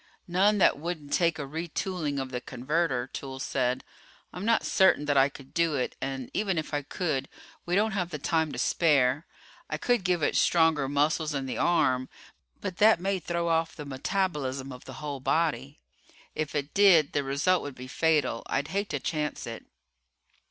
"None that wouldn't take a retooling of the converter," Toolls said. "I'm not certain that I could do it, and even if I could, we don't have the time to spare. I could give it stronger muscles in the arm, but that may throw off the metabolism of the whole body. If it did, the result would be fatal. I'd hate to chance it."